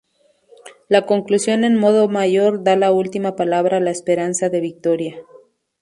La conclusión en modo mayor da la última palabra a la esperanza de victoria.